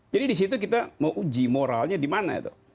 jadi di situ kita mau uji moralnya di mana itu